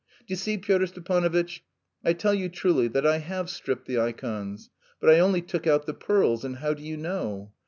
"D'you see, Pyotr Stepanovitch, I tell you truly that I have stripped the ikons, but I only took out the pearls; and how do you know?